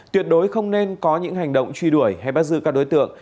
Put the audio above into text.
tuyệt đối không nên có những hành động truy đuổi hay bắt giữ các đối tượng